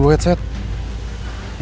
gue lagi bawa headset